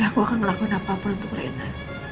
aku akan melakukan apa pun untuk rena